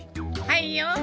はいよ。